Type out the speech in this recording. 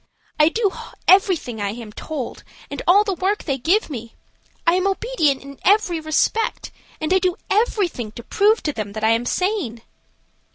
I do everything I am told, and all the work they give me. I am obedient in every respect, and I do everything to prove to them that I am sane."